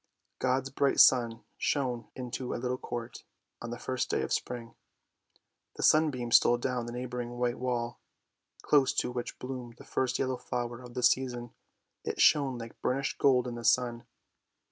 " God's bright sun shone into a little court on the first day of spring. The sunbeams stole down the neighbouring white wall, close to which bloomed the first yellow flower of the season ; it shone like burnished gold in the sun.